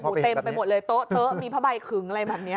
โอ้โหเต็มไปหมดเลยโต๊ะมีผ้าใบขึงอะไรแบบนี้